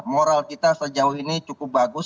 moral kita sejauh ini cukup bagus